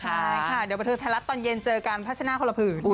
ใช่ค่ะเดี๋ยวบริษัทรัศน์ตอนเย็นเจอกันพระชนะโคลพืน